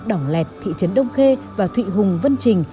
đỏng lẹt thị trấn đông khê và thụy hùng vân trình